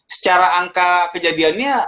secara angka kejadiannya